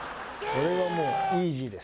これはもうイージーです。